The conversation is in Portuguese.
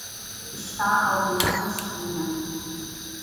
Está ao virar da esquina.